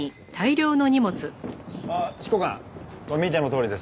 あっ執行官見てのとおりです。